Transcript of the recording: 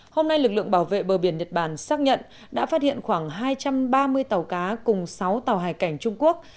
hôm nay lực lượng bảo vệ bờ biển nhật bản xác nhận đã phát hiện khoảng hai trăm ba mươi tàu cá cùng sáu tàu hải cảnh trung quốc